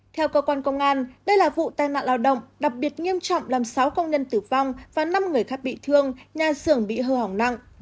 theo cơ quan công an đây là vụ tai nạn lao động đặc biệt nghiêm trọng làm sáu công nhân tử vong và năm người khác bị thương nhà xưởng bị hư hỏng nặng